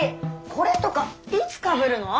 これとかいつかぶるの？